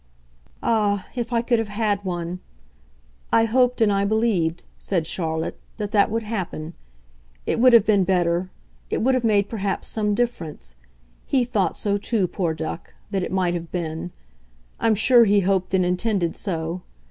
"Ah, if I could have had one ! I hoped and I believed," said Charlotte, "that that would happen. It would have been better. It would have made perhaps some difference. He thought so too, poor duck that it might have been. I'm sure he hoped and intended so.